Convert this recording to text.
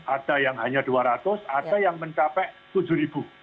ada yang hanya dua ratus ada yang mencapai tujuh ribu